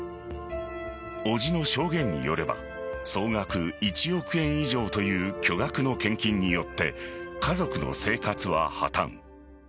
伯父の証言によれば総額１億円以上という巨額の献金によって家族の生活は破綻。